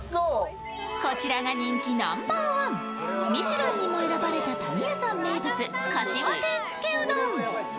こちらが人気ナンバーワン、ミシュランにも選ばれた谷やさん名物、かしわ天つけうどん。